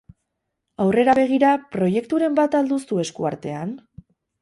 Aurrera begira, proiekturen bat al duzu esku artean?